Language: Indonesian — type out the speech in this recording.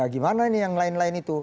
gimana ini yang lain lain itu